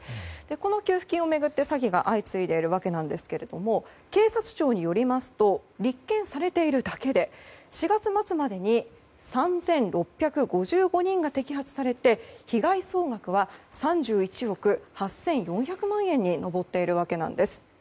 この給付金を巡って詐欺が相次いでいるんですが警察庁によりますと立件されているだけで４月末までに３６５５人が摘発されて被害総額は３１億８４００万円に上っているわけなんです。